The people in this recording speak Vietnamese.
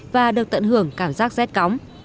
và được tận hưởng cảm giác rét cóng